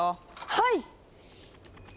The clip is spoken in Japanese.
はい！